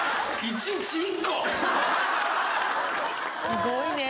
すごいね。